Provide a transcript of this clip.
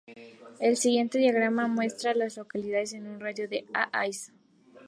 El siguiente diagrama muestra a las localidades en un radio de de Hays.